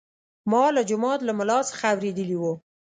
ما له جومات له ملا څخه اورېدلي وو.